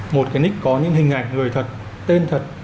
một cái nick có những hình ảnh người thật tên thật